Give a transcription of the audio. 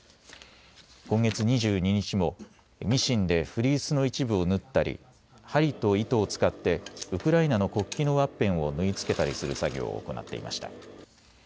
今月２２日もミシンでフリースの一部を縫ったり針と糸を使ってウクライナの国旗のワッペンを縫い付けたりする作業を行っていました。